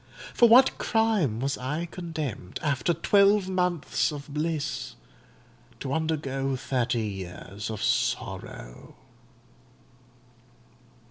For what crime was I condemned, after twelve months of bliss, to undergo thirty years of sorrow?